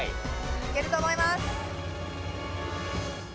いけると思います。